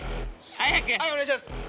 はいお願いします。